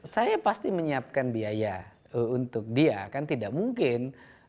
saya pasti menyiapkan biaya untuk dia kan tidak mungkin